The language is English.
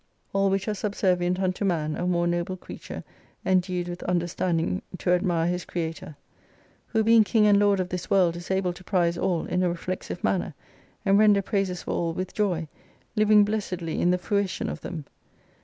All which are subservient unto man, a more noble creature endued with understanding to admire his Creator. Who bemg king and lord of this world, is able to prize all in a reflexive manner, and render praises for all with joy, living blessedly in the fruition of them.